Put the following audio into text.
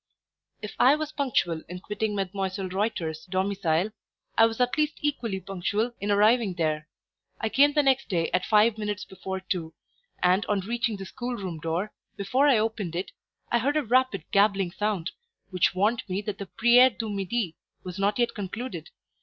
IF I was punctual in quitting Mdlle. Reuter's domicile, I was at least equally punctual in arriving there; I came the next day at five minutes before two, and on reaching the schoolroom door, before I opened it, I heard a rapid, gabbling sound, which warned me that the "priere du midi" was not yet concluded.